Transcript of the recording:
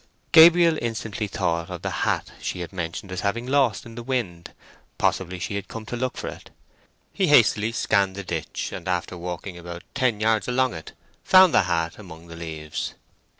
Gabriel instantly thought of the hat she had mentioned as having lost in the wind; possibly she had come to look for it. He hastily scanned the ditch and after walking about ten yards along it found the hat among the leaves.